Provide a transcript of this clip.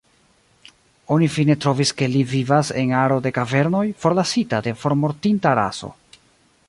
Oni fine trovis ke li vivas en aro de kavernoj, forlasita de formortinta raso.